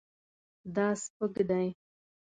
دا سپک دی